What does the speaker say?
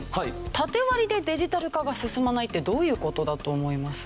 タテ割りでデジタル化が進まないってどういう事だと思います？